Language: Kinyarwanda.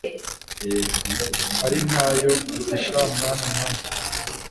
ari ntayo ati sha mwana nanjye